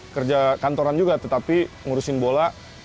kerja kantoran juga tetapi ngurusin bola